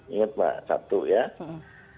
ingat pak satu ya